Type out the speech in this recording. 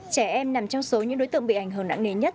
trẻ em nằm trong số những đối tượng bị ảnh hưởng nặng nề nhất